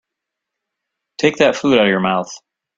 Take that food out of your mouth.